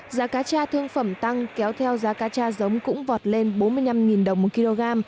giá cá cha thương phẩm tăng kéo theo giá cá cha giống cũng vọt lên bốn mươi năm đồng một kg